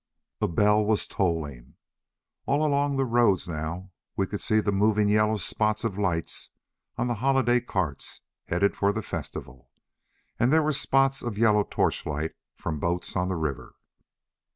A bell was tolling. Along all the roads now we could see the moving yellow spots of lights on the holiday carts headed for the festival. And there were spots of yellow torchlight from boats on the river.